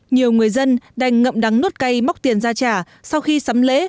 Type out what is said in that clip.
nhiều người dân đành ngậm đắng nút cây móc tiền ra trả sau khi sắm lễ